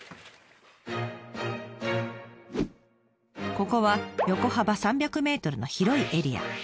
ここは横幅３００ｍの広いエリア。